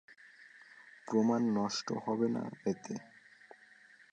প্রমাণ নষ্ট হবে না এতে?